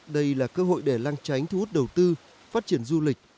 đây là cơ hội để lăng tránh thu hút đầu tư phát triển du lịch